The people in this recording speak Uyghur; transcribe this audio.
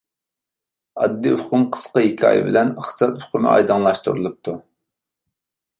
ئاددىي ئۇقۇم قىسقا ھېكايە بىلەن ئىقتىساد ئۇقۇمى ئايدىڭلاشتۇرۇلۇپتۇ.